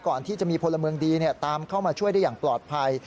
ก่อนที่จะมีพลเมืองดีตามเข้ามาช่วยได้อย่างปลอดภัย